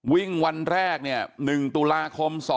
วิ่งวันแรกเนี่ย๑ตุลาคม๒๕๖